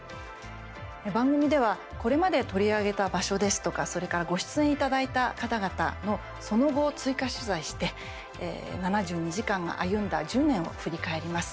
番組ではこれまで取り上げた場所ですとかご出演いただいた方々のその後を追加取材して「７２時間」が歩んだ１０年を振り返ります。